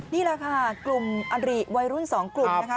นี่แหละค่ะกลุ่มอริวัยรุ่น๒กลุ่มนะคะ